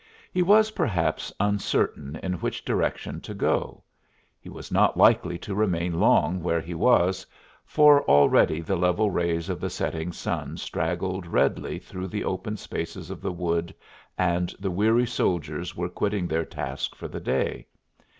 He was perhaps uncertain in which direction to go; he was not likely to remain long where he was, for already the level rays of the setting sun straggled redly through the open spaces of the wood and the weary soldiers were quitting their task for the day.